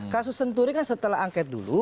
kasus senturi kan setelah angket dulu